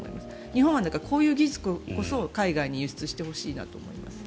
日本はこういう技術こそ海外に輸出してほしいなと思います。